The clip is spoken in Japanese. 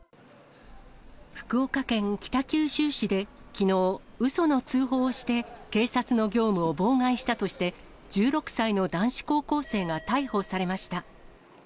福岡県北九州市で、きのう、うその通報をして、警察の業務を妨害したとして、１６歳の男子高校生が逮捕されました。